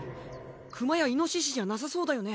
クマやイノシシじゃなさそうだよね。